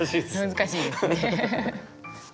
難しいですね。